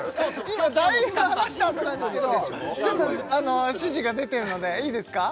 今だいぶ話したあとなんですけどちょっとあの指示が出てるのでいいですか？